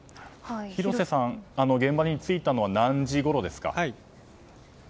広瀬さん、現場に着いたのは何時ごろですか。